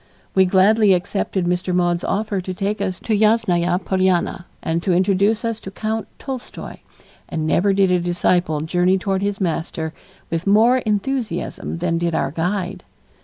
We gladly accepted Mr. Maude's offer to take us to Yasnaya Polyana and to introduce us to Count Tolstoy, and never did a disciple journey toward his master with more enthusiasm than did our guide.